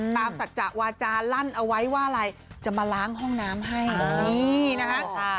ตามสัจจากวาจารัณไหว้ว่าอะไรจะมาล้างรองน้ำให้นี่นะคะ